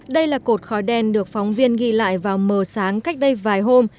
đây là cột khói đen được phóng viên ghi lại vào mờ sáng cách đây vài hôm